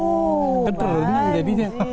terlalu menang jadinya